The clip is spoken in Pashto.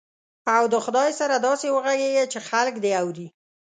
او د خدای سره داسې وغږېږه چې خلک دې اوري.